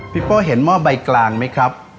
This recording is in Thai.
โป้เห็นหม้อใบกลางไหมครับ